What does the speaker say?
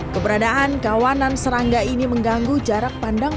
keberadaan kawanan serangga ini mengganggu jarak pandang